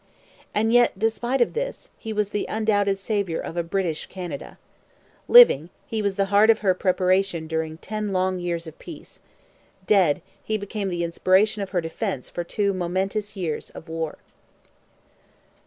And yet, despite of this, he was the undoubted saviour of a British Canada. Living, he was the heart of her preparation during ten long years of peace. Dead, he became the inspiration of her defence for two momentous years of war.